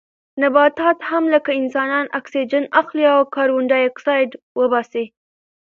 نباتات هم لکه انسانان اکسیجن اخلي او کاربن ډای اکسایډ وباسي